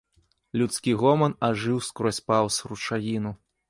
Людскі гоман ажыў скрозь паўз ручаіну.